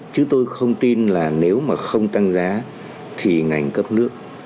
chứ tôi không tin là nếu mà không tăng giá thì ngành cấp nước